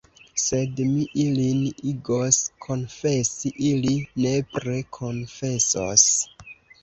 Sed mi ilin igos konfesi, ili nepre konfesos.